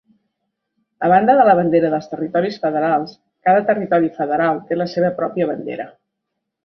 A banda de la bandera dels Territoris Federals, cada territori federal té la seva pròpia bandera.